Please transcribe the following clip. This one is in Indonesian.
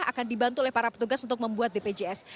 akan dibantu oleh para petugas untuk membuat bpjs